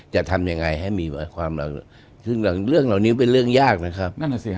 จะทำยังไงให้มีความหลักซึ่งเรื่องเหล่านี้เป็นเรื่องยากนะครับ